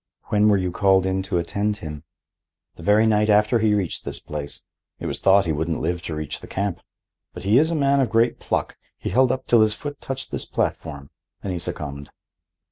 "When were you called in to attend him?" "The very night after he reached this place. It was thought he wouldn't live to reach the camp. But he is a man of great pluck. He held up till his foot touched this platform. Then he succumbed."